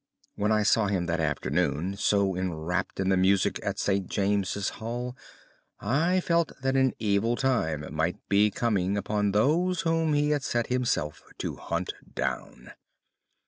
When I saw him that afternoon so enwrapped in the music at St. James's Hall I felt that an evil time might be coming upon those whom he had set himself to hunt down.